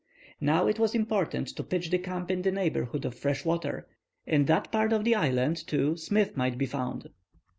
Now it was important to pitch the camp in the neighborhood of fresh water; in that part of the island, too, Smith might be found.